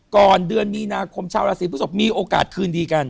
ก่อนเดือนมีนาคมชาวราศีพฤศพมีโอกาสคืนดีกัน